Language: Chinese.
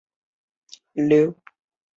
他藏有天文学和力学方面的珍贵书籍。